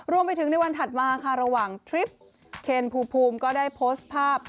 รวมไปถึงในวันถัดมาค่ะระหว่างทริปเคนภูมิก็ได้โพสต์ภาพ